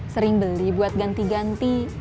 sering beli buat ganti ganti